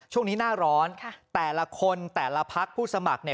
ช่วงนี้หน้าร้อนแต่ละคนแต่ละพักผู้สมัครเนี่ย